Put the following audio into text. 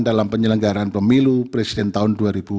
dalam penyelenggaran pemilu presiden tahun dua ribu dua puluh